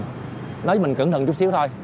nói với mình cẩn thận chút xíu thôi